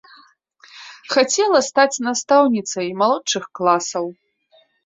Хацела стаць настаўніцай малодшых класаў.